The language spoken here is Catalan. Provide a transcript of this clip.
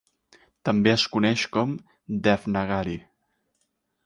També es coneix com Devnagari.